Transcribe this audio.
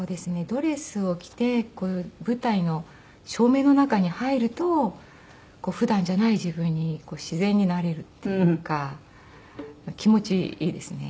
ドレスを着てこういう舞台の照明の中に入ると普段じゃない自分に自然になれるっていうか気持ちいいですね。